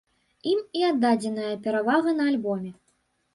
Ім і аддадзеная перавага на альбоме.